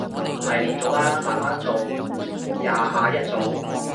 唔係連續啦，慢慢做，廿下一組